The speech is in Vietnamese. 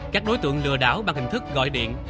các đối tượng lừa đảo bằng hình thức gọi điện